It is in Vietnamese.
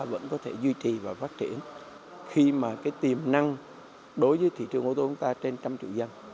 các doanh nghiệp có thể duy trì và phát triển khi mà tiềm năng đối với thị trường ô tô của chúng ta trên một trăm linh triệu dân